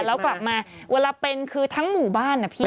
แล้วกลับมาเวลาเป็นคือทั้งหมู่บ้านนะพี่